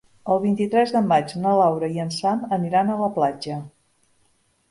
El vint-i-tres de maig na Laura i en Sam aniran a la platja.